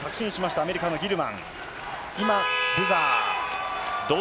アメリカ、ギルマン。